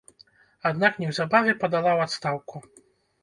Аднак неўзабаве падала ў адстаўку.